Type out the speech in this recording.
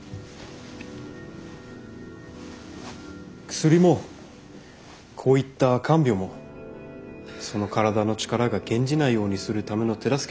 薬もこういった看病もその体の力が減じないようにするための手助けしかできないんです。